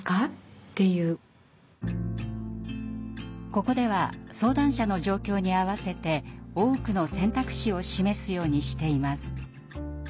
ここでは相談者の状況に合わせて多くの選択肢を示すようにしています。